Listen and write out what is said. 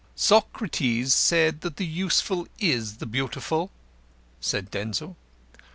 "Socrates said that the Useful is the Beautiful," said Denzil.